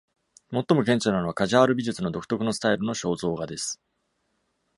最も顕著なのは、カジャール美術の独特のスタイルの肖像画です。